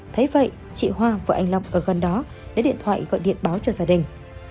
thấy vậy chị hoa và anh long ở gần đó lấy điện thoại gọi điện báo cho gia đình